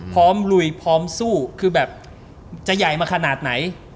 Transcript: ลุยพร้อมสู้คือแบบจะใหญ่มาขนาดไหน